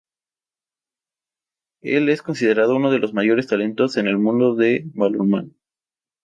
Él es considerado uno de los mayores talentos en el mundo de balonmano.